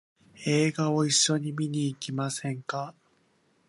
映画を一緒に見に行きませんか？